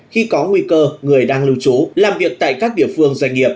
khi có nguy cơ người đang lưu trú làm việc tại các địa phương doanh nghiệp